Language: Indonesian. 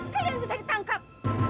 kalian bisa ditangkap